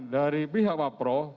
dari pihak pak prof